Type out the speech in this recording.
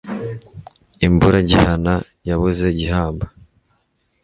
Imbura gihana yabuze gihamba